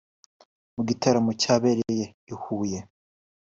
Mu gitaramo cyabereye i Huye